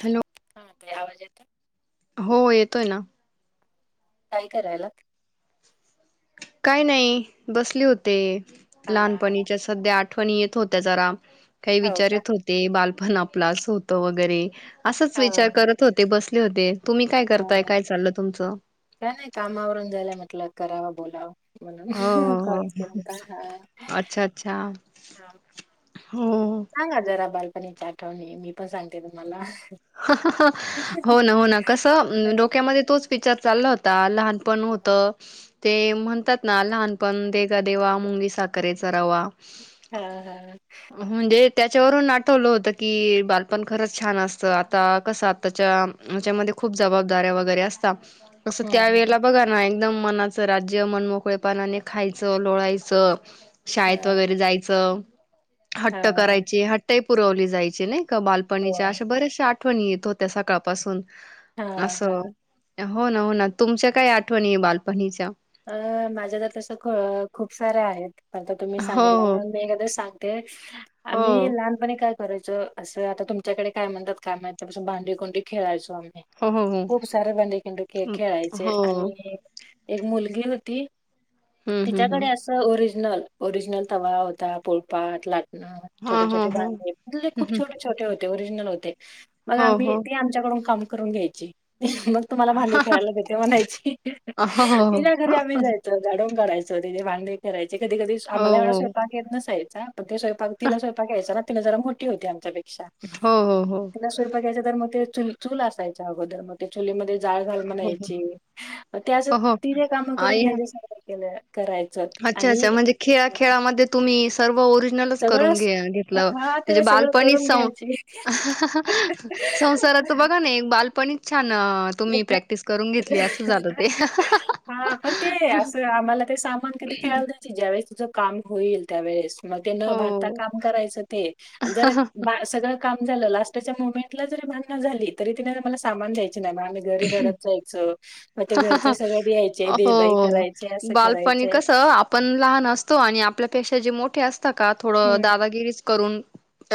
Hello. [unintelligible] आवाज येतोय? हो येतोय ना. काय करायलात? काय नाही. बसली होते. हा लहानपणीच्या सध्या आठ - - ठवणी येत होत्या जरा. काही हो का विचारत होते. बाल पण आपलास होतं वगैरे. असच हा विचार करत होते बस ली होते. तुम्ही काय करताय? हा काय चाललं तुमचं? बोला. हो हो हो, हा अच्छा-अच्छा. हा सांगा जरा बाई. मीच आठवाले मी पण सांगते तुम्हाला. हो ना, हो ना, कसं डोक्यामध्ये तोच विचार. चाल्ल होता लहान पण होत, ते म्हणतात ना लहान लहापण देगा देवा, मुंगी साखरेचा रवा. हा हा हा म्हणजे त्याच्यावरून आठवलं होतं की, बालपण खरंच छान असतं. कस आताच्या त्याच्यामध्ये, खूप जबाबदाऱ्या वगैरे असतात. असं त्या हम्म वेळेला बघा ना एकदम मनाचं राज्य, मनमोकळे पानाने खायचं लोळायचं हा शाळेत वगैरे जायचं हा हट्ट हा करायची हट्ट पुरवली जायची नाही? क बालपणीच्या होय अश्या बऱ्यासे आठवणी येत होत्या सकाळपासून. हा. हा. असं हो. ना. हो. ना. तुमच्या काय आठवणी आहे बालपणीच्या? अ माझ्या ता तुम्ही हो सांगितलाय म्हणून मी एखाद्या सांगते हो आम्ही लहानपणी काय करायचं असं, आता तुमच्याकडे काय म्हणतात काय माहिती भांडी कोंडी खेळायचो. हो हो हो खूप सारे भांडेखिंडू खे हो खेळायचे हो आणि एक मुल होती. हम्म हम्म तिच्याकडे हम्म असं ओरिज रिजल ओरिजनल तवा होता पोळपाट, ला ह छोट, हा हा छोटे हो बांडे खूप छोटे, छोटे होते. ते ओरिजनल होते. मग हो, आम्ही हो. ती आमच्याकडून काम करून घ्यायची. मग तुम्हाला भांडी खेळायला देते म्हणायची. हो, हो, हो. त घरी आम्ही जायचं [unintelligible] करायचं. थोडेशे वांगे करायचे. ते कधी कधी हो, आम्हाला हो. स्वयंपाक येत नसाय [unintelligible] ते स्वयंपाक तिला स्वयपाक यायचा ना. ती ना जरा मोठी होती आमच्या पेक्षा हो, हो, हो. तिला स्वयंपाक यायचा तर मग ते चूल असायच्या अगोदर, मग ते चुलीमध्ये जाळ घाल हो, हो. म्हणायची, मग ते असं हो, हो. तिजे काम करून आई द्यायचे सगळे. केलय. अच्छा अच्छा! म्हणजे खेळा खेळा मध्ये तुम्ही हो ओरिजनल करून सगळंच घे- घेतलं हा म्हणजे, तिला सगळं करून बालपणीच अ ह अ संसारात बघा घ्यायची. ना बालपणी छान! तुम्ही प्रॅक्टिस करून घेतली, असं झालं ते. हां, पण ते असं आम्हाला ते सामान कधी खेळाल तर [unintelligible] तुझ काम होईल, त्यावेळेस मग ते न भांडता हो. काम करायचं, ते जर सगळं काम झालं ना त्याच्या मुमेंटला जरी भांडण झाली, तरी तिने मला सामान द्यायच. मग ते हा. घरचे हा. सगळे यायचे, "दे बाई" हो करायचे, असं बालपणी करायचे. कस आपण लहान असतो, आणि आपल्यापेक्षा जे मोठे ते अस असत का थोडं हं. दादागिरीच करून.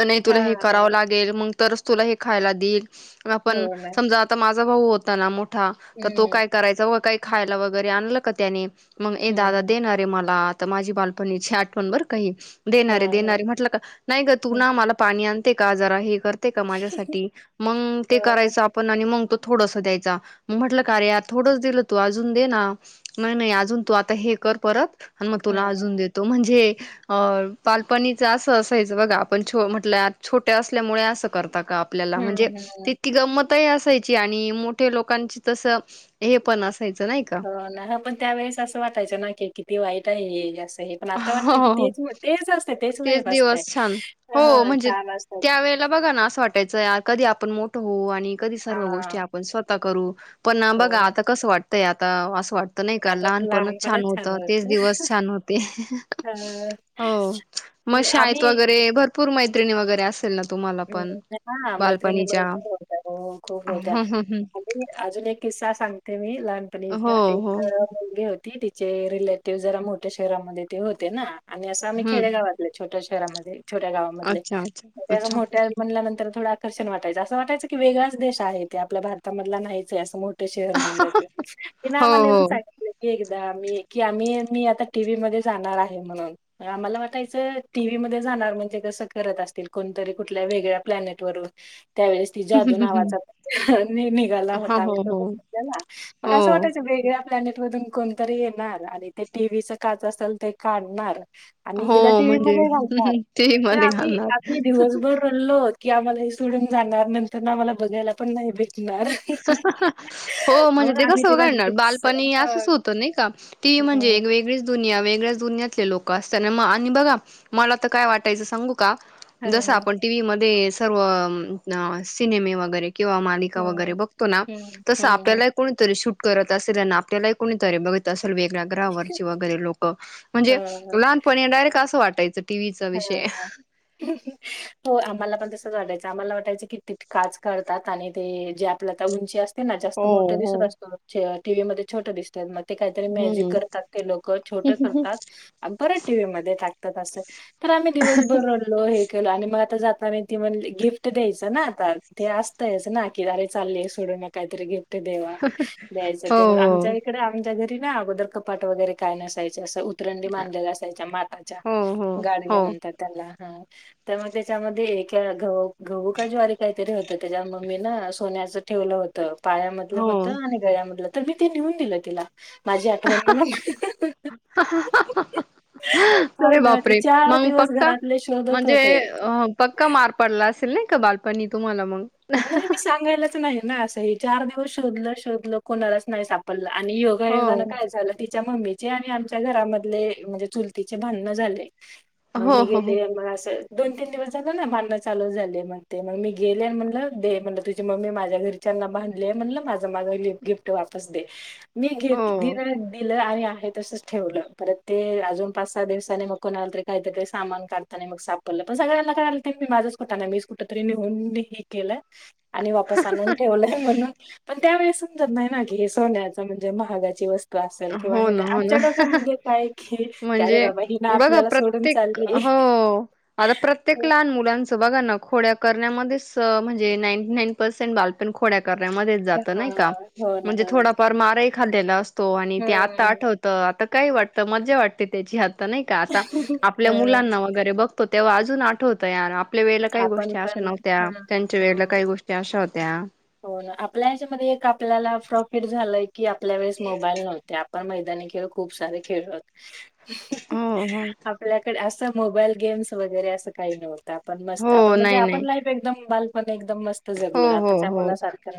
नाही तुला हे हां, हां. करावं लागेल मग. तरच तुला हे खायला देईल. आपण हो ना. समजा आता माझ. मोठा भाऊ होता ना. मोठा तर तो हं, काय करायचा व काय खायला वगैरे आणलं का त्याने. मग ए हं, दादा हं. देणार रे मला. तर माझी बालपणी आठवण बर का ही. देणारे हां, हां. देणारे म्हटलं का, नाही ग तू हं. ना मला पाणी आण. ते का आ जरा हे कर. ते का माझ्यासाठी मग हो ते ना. करायच आपण आणि मंग तो थोडस द्यायचा, मग म्हटलं का रे थोडंस दिलं तू अजून दे ना नाही-नाही अजून तू आता हे कर परत. आणि मग हं, तुला अजून देतो म्हणजे. अ बालपणीच असं असायचं बघा आपण म्हटलं छोट्या असल्यामुळे असं करतात. का आपल्याला हं, म्हणजे हं. तितकी गंमत. त, ही असे. ची आणि मोठे लोकांचे तस हे पण अस हो ना, हो पण त्यावेेळेस असं वाटायचं ना, कि किती वाईट. वाईट हे जास्त. पण आता हो वाटत की हो हो तेच-तेच असतय, तेच लाईफ दिवस छान हो अ म्हणजे छान असतय. त्यावेेळेला बघा ना असं वाटायचं कधी आपण मोठ होऊ आणि कधी सर्व हां, गोष्टी आपण स्वतः स्वतः करू. पण हो बघा ना. आता कसं वाटतं. ते आता, असं वाटत त नाही का लहानपणच छान होतं, तेच दिवस छान होते. हां. हो मग तर शाळेत आम्ही वगैरे भरपूर भरपूर मैत्रिणी वगैरे असेल ना तुम्हाला पण? हा मैत्रिणी बालपणीच्या बरोबर होत्या, हो खूप होत्या हं हं हं आणि अजून एक किस्सा सांगते मी हो लहानपणीचा, हो एक मुलगे होत ति तिचे रिलेटिव्ह जरा, मोठ्या शहरामध्ये ते होते ना आणि असं आम्ही हं खेडेगावातले छोटंश घरामध्ये छोट्या गावामधले, अच्छा अच्छा त्या अच्छा त्यानंतर थोडं आकर्षन वाटायचं, असं वाटयचं की वेगळाच देश आहे, ते आपल्या भारता मधला नाहिचये असं मोठ्ठ शहर म्हणला कि, तिनं हो आम्हाला हो येऊन सांगितलं कि एकदा आम्ही कि आम्ही -आम्ही आता टीव्ही मधे जाणार आहे म्हणून, आम्हाला वाटायचं टीव्ही मध्ये जाणार म्हणजे कसं करत असतील कोणीतरी कुठल्या वेगळ्या प्लॅनेट वरून त्यावेळेस ती जादू नावाचा हो एलीयन निघाला होता, हो हो सोबतल्याला मग हो असं वाटायच वेगळ्या प्लॅनेट मधून कोणतरी येणार, आणि ते टीव्हीच काच असेल ते काढणार आणि हो हिला टीव्ही म्हणजे, मध्ये घालणार टीव्ही ते मध्ये आम्ही घालणार आम्ही दिवसभर रडलो की आम्हाला हे सोडून जाणार नंतर आम्हाला बघायला पण नाही भेट हा ह हा. हो म्हणजे ते आम्हाला कस आम्ही तिला घडणार गिफ्ट्स बालपणी हां, असंच होतं नाही का, ती म्हणजे एक वेगळीच दुनिया वेगळच दुनियेतले लोक असतना म आणि बघा मला तर काय वाटायचं सांगू का? हं, जस हं, आपण टीव्ही मध्ये सर्व सिनेमे वगैरे किंवा मालिका वगैरे पुन्हा हं, तस हं, आपल्याला कोणीतरी शूट करत असेल ना, आपल्याला कोणीतरी बघत असेल वेगळ्या ग्रहावरची वगैरे लोकं, म्हणजे लहानपणी डायरेक्ट असं वाट [unintelligible] हं ह हो आम्हाला पण तसं वाटायचं, आम्हाला वाटायच कि ती काच काढतात आणि तेे जे आपल्या उंची अस ते ना जास्त हो मोठे हो दिसत असतो चेह टीव्हीमध्ये छोटं दिसत म ते काहीतरी मॅजिक हम्म करतात ते लोक छोटं करतात, अन परत व्हीमध्येध्ये टाकतात असं तर आम्ही दिवसभर रडलो हे केल आणि मग. आता जाताना ती म्हटली गिफ्ट द्यायचं, ना आता ते असतयच ना की अरे चालले सोडून काहीतरी गिफ्ट देवा द्यायच हो ते मग आमच्या इकडे, आमच्या घरी ते ना अगोदर कपाट वगैरे काय नसायच. च उतरंडी माांधलेलं असायच्या माठाच्या हो हो हो गाडी घ्या हो म्हणत्यात त्यांनला हा. त्या मग त्याच्यामध्ये एका घहू का ज्वारी काहीतरी होत त्याच्या मम्मी ना सोन्याच ठेवलं होतं. पायामधलं होत हो आणि गळ्यामधलं तर मी ते नेऊून दिलं तिला. माझी आठवण म्हणून हा हा हा हम्म. [unintelligible] मग पक्का म्हणजे पक्का मार पडला असेल नही. का बालपणी तुम्हाला मग? नाही मी सांगायलाच नाही ना असं हे चार दिवस शोधलं शोधलं कोणालाच नाही सापडलं. आणि योगायोगा न हो. काय झालं ते आमच्या मम्मीचे आणि आमच्या घरामधले म्हणजे, चुलतीचे भांडणं झाले. मग हो, मी हो, हो. गेले मला असं दोन- तीन दिवस झालं ना भांडण चालू झाले, मग ते मग मी गेले आणि नं दे म्हण तुझी मम्मी माझ्या घरच्यांना बांधली आहे, म्हणलं माझं माझ गिफ्ट वापस दे. मी घेत हो. -दिल-दिल आणि आत आहे तसच ठेवलं परत, ते अजून पाच सहा दिवसांनी मग कोणाला तरी काहीतरी सामान काढताना मग सापडलं पण सगळ्यांना काय [unintelligible] माझच कुटाणा मीच कुठ तरी नेहून केलंय. आणि वापस आणून ठेवलं म्हणून पण. त्यावेळेस समजत नाही ना, की हे सोन्याच म्हणजे महागाची वस्तू असेल किंवा हो हे ना, नाही. हो ना, आमच्या डोक्यामध्ये काय की की अरे म्हणजे बाबा ही ना बघा आपल्याला सोडून प्रत्येक चालली हो आता प्रत्येक लहान मुलांचं बघा ना. खोड्या करण्यामध्येच, म्हणजे नाईंटी-नाईन पर्सेंट बालपण खोड्यात करण्यामध्येच जात हा नाही का, हो ना म्हणजे हो ना थोडाफार मार ही खाल्लेला असतो. हो आणि ते आता हम्म. आठवत. आता काय वाटतं मजा वाटते त्याची नाही का आता आपल्या हं, मुलांना वगैरे बघ. तो तेव्हा अजून आठवत या आपण पण वेळेला काही गोष्टी अशा होत्या हो ना, आपल्या हच्यामध्ये एक आपल्याला प्रॉफिट झालंय की. कि आपल्या वेळेस मोबाईल नव्हता. आपण मैदानी खेळ खूप सारे खेळले होते. हो हो आपल्याकडे अस मोबाईल गेम्स वगैरे असं काही नव्हत. पण मस्त आपण हो म्हणजे नाही नाही आपण लाईफ एकदम बाल हो हो हो,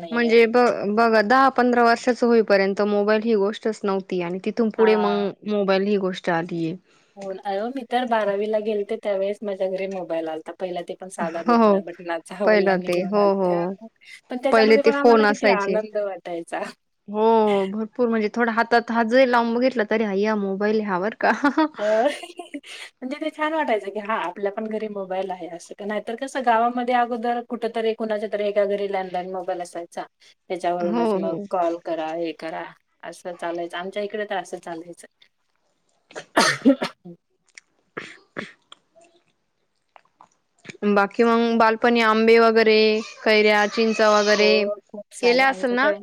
नाहीये. म्हणजे ब- बघ दहा, पंधरा वर्षाचं होई पर्यंत मोबाईल ही गोष्टच नव्हती. आणि तिथून पुढे मग मोबाईल ही गोष्ट चालतीये. होय अयो मी तर बारावीला गेलते त्या वेळेस माझ्या घरी मोबाईल आलंता पहिला ते पण साधा हो हो बोटणा- बटणाचा पहिलं वडिलांनी ते घेऊन हो हो आलत्या पण पहिले त्याच्यामध्ये ते पण आम्हाला फोन किती असायचे आनंद वाटायचा. हो हो भरपूर म्हणजे थोडा हातात हात जरी लावून बघितलं, तरी आय्या मोबाईल ह्यावर अ म्हणजे ते छान! वाटायचं. क हा आपल्या पण घरी मोबाईल आहे असं नाही तर, कसं गावामध्ये अगोदर कुठं तरी कुणाच्या तरी एका घरी लँडलाईन मोबाईल असायचा त्याच्या हो वरूनचं मग हो कॉल करा हे करा. असं चालायचं आमच्या इकडे तर असं चालायचं. [unintelligible] [unintelligible] बाकी मग बालपणी आंबे वगैरे कैऱ्या चिंच वगैरे हो खूप सारे केल्या आमच्या असेल ना? तर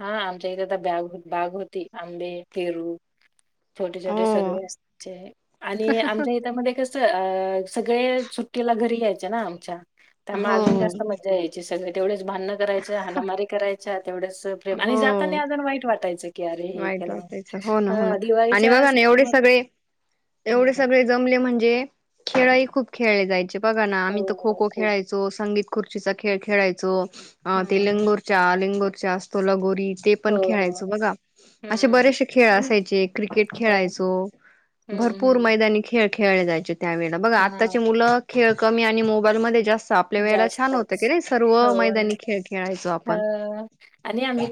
हा आमच्या इथे आता बॅग- बाग होती, आंबे, पेरू छोटे छोटे हो सगळे असायचे, आणि आमच्या हित मध्ये कसं सगळे सुट्टीला घरी यायचे ना आमच्या. त्यामुळे हो अजून जास्त मज्जा यायची सगळे तेवढच भाडंन. करायचं, हानामारी करायच. अ [unintelligible] तेवढ्याच प्रेम, हो आणि जाताना अजून वाईट वाटायचं. की अरे हे वाईट केलं म्हणून. वाटायचं हो, ना, हो, ना हां, आणि दिवाळीच्या बघा ना एवढे सुट्टीमध्ये सगळे. एवढे हं. सगळे जमले. म्हणजे खेळही खूप खेळले जायचे. बघा ना हो, आमही हो. खो-खो खूप. खेळायचो संगीत. खुर्चीचा खेळ खेळायचो. अ हं. तेलेंगुर च्या आलिंगूर. जास्त लगोरी. ते हो, पण हो. खेळायचो बघा. असे हं. बरेचसे खेळ असायची एक. क्रिकेट हो. खेळायचो. हं, भरपूर हं. मैदानी खेळ खेळाय जायचेत. त्यावेेळेला. बघा आत्ताचे हां, मुलं खेळ कमी आणि मोबाईलमध्ये जास्त आपल्या वेळेला छान होतं जास्तच. कनई, सर्व हो ना. मैदानी खेळ खेळायचो आपण. ह आणि आम्ही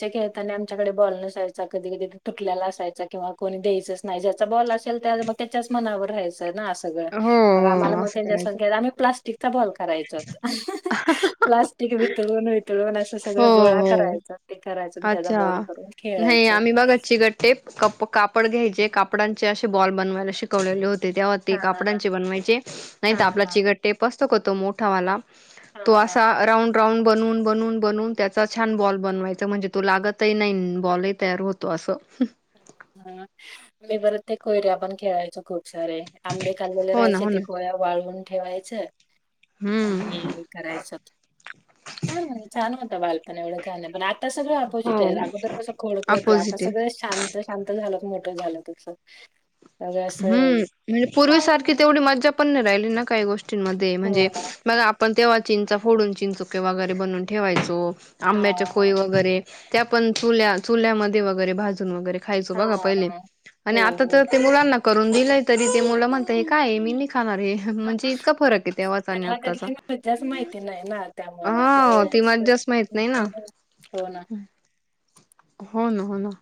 ते खेळताना आमच्याकडे बॉल नसायचा. कधी कधी तुटल्याला असायचा किंवा कोणी द्यायचच नाही. ज्याचा बॉल असेल त्या मग त्याच्याच मनावर राहायच. ना सगळ. हो मग आम्हाला हो मग असं त्याच्यासंग करायचं खेळ आम्ही प्लास्टिक तेजा बॉल करायच. प्लास्टिक वितळून वितळून असं हो सगळं गोळा हो करायच ते करायच. त्याजा अच्छा बॉल करून नाही खेळायच. आम्ही जे कापडांचे अशे बॉल बनवायला शिकवलेले होते ते ते हा कापडांचे बनवायचे, नाही हा तर आपला हा चिगटटेप पुस्तक होतो मोठावाला हा तो हा असा राऊंड राऊंड बनवून बनवून बनवून त्याचा छान बॉल बनवायचा. म्हणजे तो लागतही नाही अन बॉलही तयार होतो असं. ह मी परत ते कोयऱ्या आपण खेळायचो खूप. सारे आंबे खाल्लेले हो ना राहायचे, हो ते ना कोया वाळवून ठेवायचं हम्म आणि करायचंत. छान छान होत बालपण एवढं काय नाहीं पण आ आता सगळं हो अपोजिट आहेत, अगोदर कसं खोडकर होते आता अपोजिट आहे सगळे शांत. शांत झालं, मोठं झालं तस. हम्म म्हणजे पूर्वीसारखी तेवढी मज्जा पण नाही राहिली ना. काय गोष्ट ची मध्ये हो म्हणजे ना. आपण ते चिंचा फोडून चिंचुके वगैरे बनून ठेवायचो. आंब्याचे हां. कोई वगैरे. त्या पण चुल्या चुल्यामध्ये वगैरे, भाजून वगैरे. खायच बघा पहिले, हां. आणि हो, आता हो. तर मुलांना. करून दिलंय तरी ते मुल म्हणतय काय मी नई खा आणि त्यांना आत्ताचा कसल्या मज्जाच माहिती नाही ना, त्यामुळं हा ती त्यावेळीस मज्जाच माहित नाही ना हो ना. हो ना, हो ना.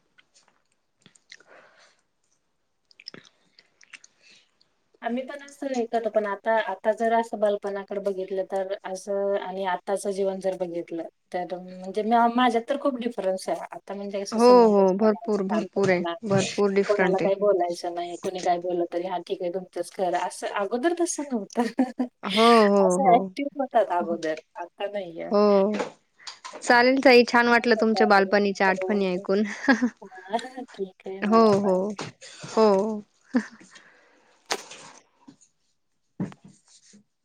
आम्ही पण नसतं ऐकत, पण आता आता जर असं बालपणाकडे बघितलं तर असं आणि आताच जीवन जर बघितलं तर म्हणजे माझ्यात तर खूप डिफरन्स आहे. आता म्हणजे हो समंजस हो झाला, भरपूर शांत भरपूर आहे झाला, भरपूर की कोणाला डिफरंट काही आहे बोलायचं नाही कोणी काय बोललं तरी ह ठीक आहे बघ.. खरा असं अगोदर तसं नव्हतं. हो हो हो असं ऍक्टिव्ह होतात अगोदर, आता नाहीये. हो. चालेल ताई. छान वाटलं ठीक तुमच्या आहे. बालपणीच्या आठवणी हो. ऐकून ह हां, ठीक आहे अ हो मला हो पण. हो. [unintelligible]